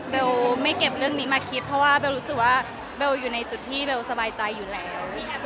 ไม่เก็บเรื่องนี้มาคิดเพราะว่าเบลรู้สึกว่าเบลอยู่ในจุดที่เบลสบายใจอยู่แล้ว